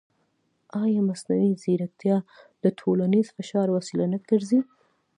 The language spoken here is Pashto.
ایا مصنوعي ځیرکتیا د ټولنیز فشار وسیله نه ګرځي؟